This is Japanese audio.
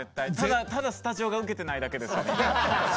ただスタジオがウケてないだけですよね。